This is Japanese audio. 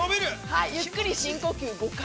ゆっくり深呼吸５回。